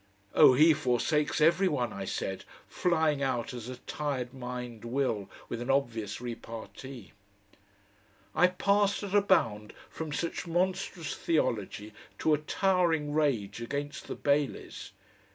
"Oh, HE forsakes every one," I said, flying out as a tired mind will, with an obvious repartee.... I passed at a bound from such monstrous theology to a towering rage against the Baileys.